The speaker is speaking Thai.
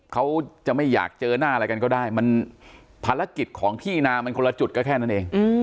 เขาจะไม่อยากเจอหน้าอะไรกันก็ได้มันภารกิจของที่นามันคนละจุดก็แค่นั้นเอง